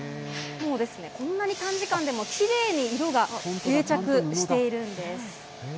こんなに短時間でもきれいに色が定着しているんです。